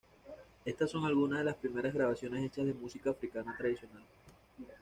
Estas son algunas de las primeras grabaciones hechas de música africana tradicional.